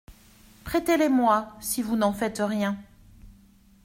Prêtez-les-moi, si vous n’en faites rien.